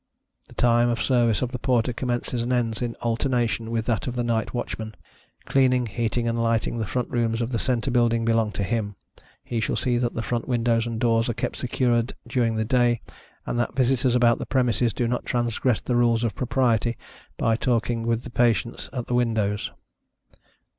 The time of service of the Porter commences and ends in alternation with that of night watchman. Cleaning, heating and lighting the front rooms of the centre building belong to him; he shall see that the front windows and doors are kept secured during the day, and that visitors about the premises do not transgress the rules of propriety by talking with the patients at the windows.